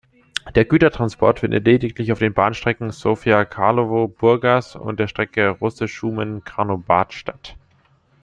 Der Gütertransport findet lediglich auf den Bahnstrecken Sofia–Karlowo–Burgas und der Strecke Russe–Schumen–Karnobat statt.